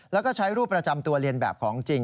แล้วก็ใช้รูปประจำตัวเรียนแบบของจริง